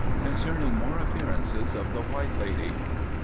Concerning More Appearances of the White Lady.